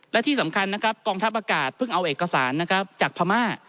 และที่สำคัญนะครับกองทัพอากาศเพิ่งเอาเอกสารนะครับจากพม่า